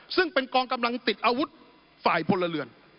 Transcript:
ซึ่งเป็นกองกำลังติดอาวุธฝ่ายพลเรือน